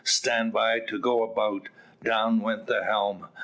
"Stand by to go about." Down went the helm.